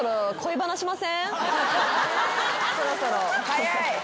早い。